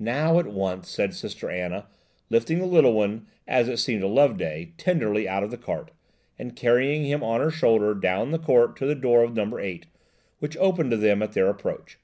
"Now, at once," said Sister Anna, lifting the little one, as it seemed to Loveday, tenderly out of the cart, and carrying him on her shoulder down the court to the door of number 8, which opened to them at their approach.